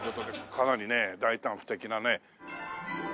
かなりね大胆不敵なね。